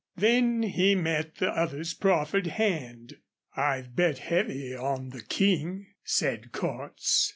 Then he met the other's proffered hand. "I've bet heavy on the King," said Cordts.